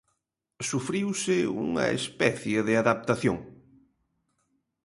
Sufriuse unha especie de adaptación.